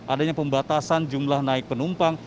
adanya pembatasan jumlah naik penumpang